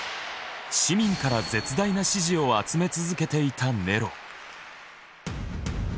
市民から絶大な支持を集め続けていたネロ。